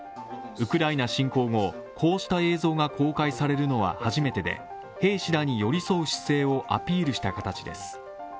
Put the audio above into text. ウクライナ侵攻後こうした映像が公開されるのは初めてで兵士らに寄り添う姿勢をアピールした形です。